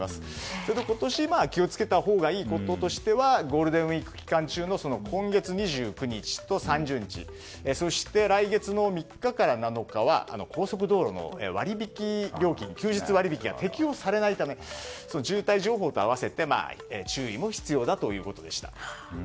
それと、今年気を付けたほうがいいこととしてはゴールデンウィーク期間中の今月２９日と３０日そして来月の３日から７日は高速道路の割引料金、休日割引が適用されないため渋滞情報と併せて注意も必要だということでした。